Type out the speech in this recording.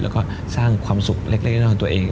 แล้วก็สร้างความสุขเล็กน้อยของตัวเอง